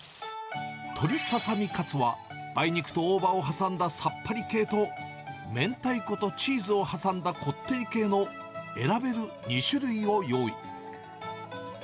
鶏ささみカツは、梅肉と大葉を挟んださっぱり系と、明太子とチーズを挟んだこってり系の選べる２種類を用意。